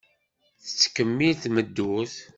Tettkemmil tmeddurt.